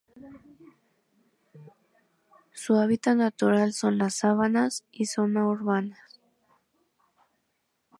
Su hábitat natural son: las sabanas y zona urbanas.